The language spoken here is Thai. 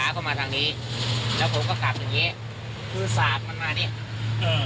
เออขาเข้ามาทางนี้แล้วผมก็ขับอย่างเงี้ยคือสาบมันมาเนี้ยเออ